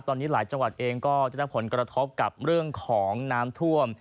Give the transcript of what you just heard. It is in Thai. ตอนนี้หลายจังหวัดเองก็จะได้รับผลกระทบกับเรื่องของน้ำท่วม